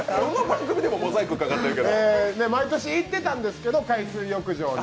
毎年行ってたんですけれども海水浴場に。